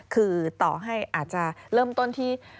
คือต่อให้อาจจะเริ่มต้นที่